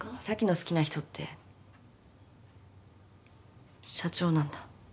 咲の好きな人って社長なんだ？